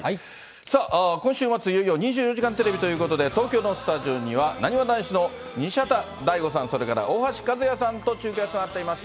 さあ、今週末、いよいよ２４時間テレビということで、東京のスタジオにはなにわ男子の西畑大吾さん、それから大橋和也さんと中継がつながっています。